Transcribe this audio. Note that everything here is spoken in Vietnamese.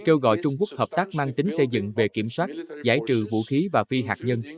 kêu gọi trung quốc hợp tác mang tính xây dựng về kiểm soát giải trừ vũ khí và phi hạt nhân